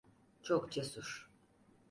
Çok cesur.